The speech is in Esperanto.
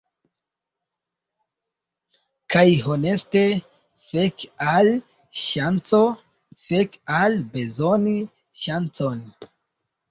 Kaj honeste, fek al ŝanco, fek al bezoni ŝancon.